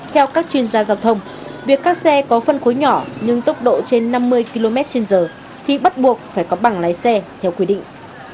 theo các chuyên gia giao thông việc các xe có phân khối nhỏ nhưng tốc độ trên năm mươi km trên giờ thì bắt buộc phải có bằng lái xe theo quy định